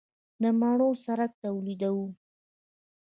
د مڼو سرکه تولیدوو؟